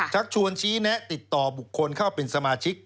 ชักชวนชี้แนะติดต่อบุคคลเข้าเป็นสมาชิก